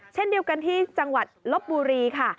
เช่นเดียวกันที่จังหวัดลบบุรีค่ะ